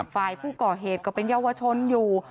ฝ่ายผู้ก่อเหตุก็เป็นเยาวชนอยู่